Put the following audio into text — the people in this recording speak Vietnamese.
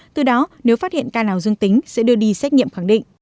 từ đó nếu phát hiện ca nào dương tính sẽ đưa đi xét nghiệm khẳng định